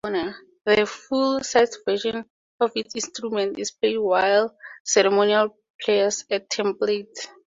The full sized version of this instrument is played while ceremonial prayers at temples.